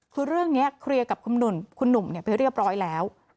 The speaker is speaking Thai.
คือเรื่องเนี้ยเคลียร์กับคุณหนุ่นคุณหนุ่มเนี้ยไปเรียบร้อยแล้ว